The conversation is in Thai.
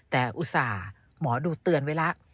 แต่อุตส่าห์หมอดูเตือนไว้แล้ว